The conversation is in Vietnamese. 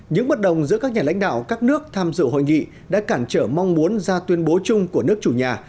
những bất đồng giữa các nhà lãnh đạo các nước tham dự hội nghị đã cản trở mong muốn ra tuyên bố chung của nước chủ nhà